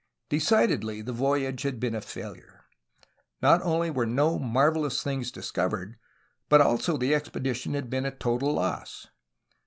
Decidedly, the voyage had been a failure. Not only were no marvelous things discovered, but also the expedition had been a total loss.